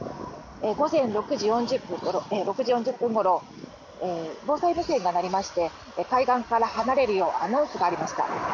午前６時４０分ごろ防災無線が鳴りまして海岸から離れるようアナウンスがありました。